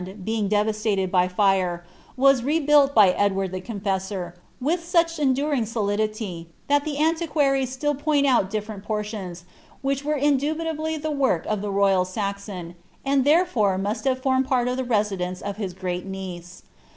btiaf devastated by fire, was rebuilt by Eklward the Confessor, with «uch «■ during solidity, that antiquaries still point out diflcrent poriious, whtrh were indubitably the work of the royal Saxon, and thenfore must h»« formed pert of the residence of his great niece.